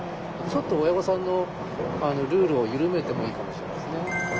ちょっと親御さんのルールをゆるめてもいいかもしれないですね。